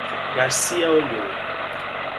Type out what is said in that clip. Garcia olhou: